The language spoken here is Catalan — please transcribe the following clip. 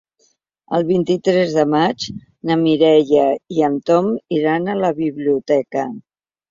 El vint-i-tres de maig na Mireia i en Tom iran a la biblioteca.